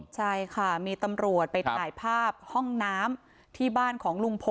ใช่ค่ะมีตำรวจไปถ่ายภาพห้องน้ำที่บ้านของลุงพล